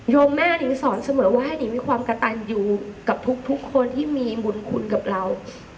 มแม่นิงสอนเสมอว่าให้นิงมีความกระตันอยู่กับทุกคนที่มีบุญคุณกับเรา